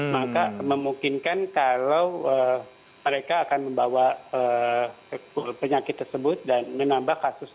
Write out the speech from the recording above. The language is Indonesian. maka memungkinkan kalau mereka akan membawa penyakit tersebut dan menambah kasus